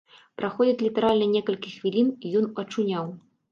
Праходзіць літаральна некалькі хвілін, і ён ачуняў!